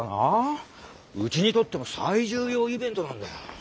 うちにとっても最重要イベントなんだ。